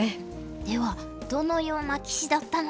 ではどのような棋士だったのか。